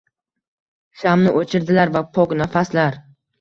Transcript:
Shamni oʻchirdilar va pok nafaslar